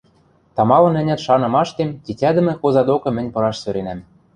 тамалын-ӓнят шанымаштем тетядӹмӹ хоза докы мӹнь пыраш сӧренӓм